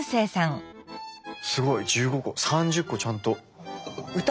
すごい！１５個３０個ちゃんと。